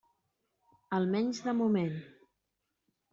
Almenys de moment.